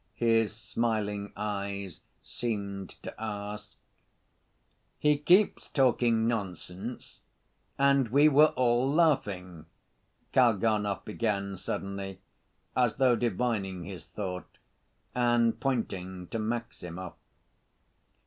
his smiling eyes seemed to ask. "He keeps talking nonsense, and we were all laughing," Kalganov began suddenly, as though divining his thought, and pointing to Maximov.